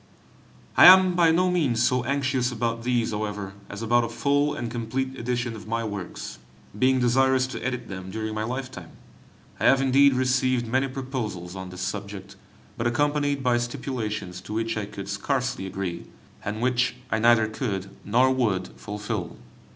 I am by no means so anxious about these, however, as about a full and complete edition of my works, being desirous to edit them during my lifetime. I have indeed received many proposals on this subject, but accompanied by stipulations to which I could scarcely agree, and which I neither could nor would fulfil.